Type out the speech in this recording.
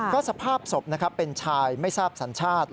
ก็สภาพศพเป็นชายไม่ทราบสัญชาติ